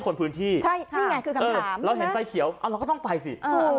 คนพื้นที่ใช่นี่ไงคือคำถามเราเห็นไฟเขียวเราก็ต้องไปสิ